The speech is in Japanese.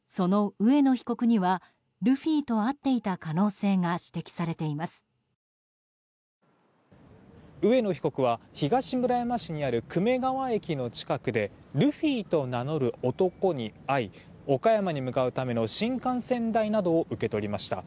上野被告は東村山市にある久米川駅の近くでルフィと名乗る男に会い岡山に向かうための新幹線代などを受け取りました。